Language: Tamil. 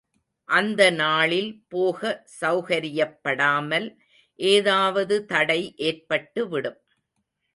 அந்த நாளில் போக செளகரியப்படாமல் ஏதாவது தடை ஏற்பட்டுவிடும்.